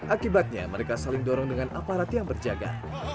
akibatnya mereka saling dorong dengan aparat yang berjaga